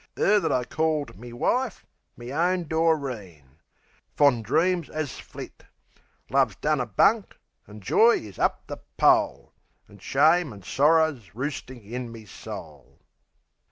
'Er that I called me wife, me own Doreen! Fond dreams'as flit; Love's done a bunk, an' joy is up the pole; An' shame an' sorrer's roostin' in me soul.